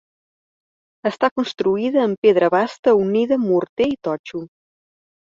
Està construïda amb pedra basta unida amb morter i totxo.